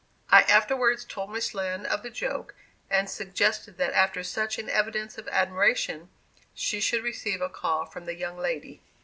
I afterwards told Miss Lind of the joke, and suggested that after such an evidence of admiration, she should receive a call from the young lady.